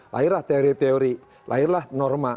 lahirlah teori teori lahirlah norma